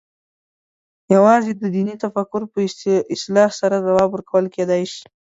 یوازې د دیني تفکر په اصلاح سره ځواب ورکول کېدای شي.